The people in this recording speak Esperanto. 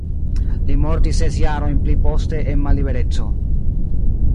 Li mortis ses jarojn pli poste en mallibereco.